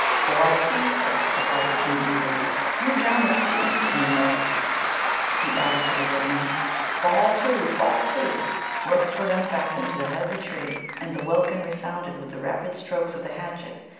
"So I see, Sir," replied the king angrily. "Hew down the tree instantly, knaves," he added to the woodmen. "Fall to fall to." Ropes were then fastened to the head of the tree, and the welkin resounded with the rapid strokes of the hatchets.